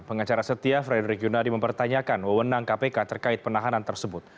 pengacara setia frederick yunadi mempertanyakan wewenang kpk terkait penahanan tersebut